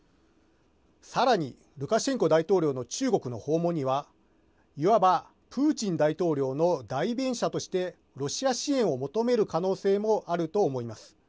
さらに、ルカシェンコ大統領の中国の訪問にはいわばプーチン大統領の代弁者としてロシア支援を求める可能性もあると思います。